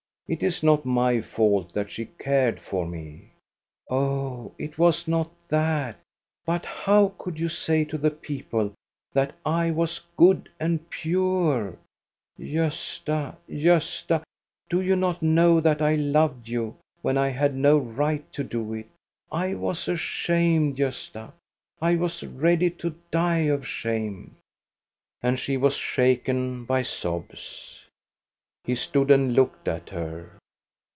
It is not my fault that she cared for me." " Oh, it was not that ; but how could you say to 41 6 THE STORY OF GOSTA BERLING the people that I was good and pure ? Gosta, Gosta ! Do you not know that I loved you when I had no right to do it ? I was ashamed, Gosta ! I was ready to die of shame !" And she was shaken by sobs. He stood and looked at her.